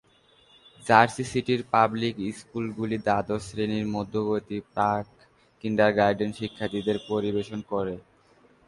Jersey City public স্কুলগুলি দ্বাদশ শ্রেণির মধ্যবর্তী প্রাক-কিন্ডারগার্টেনে শিক্ষার্থীদের পরিবেশন করে।